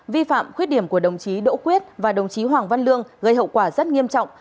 vi phạm khuyết điểm của đồng chí đỗ quyết và đồng chí hoàng văn lương gây hậu quả rất nghiêm trọng